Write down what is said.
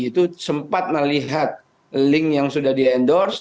itu sempat melihat link yang sudah di endorse